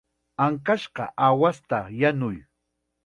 Ankashqa aawasta yanuy.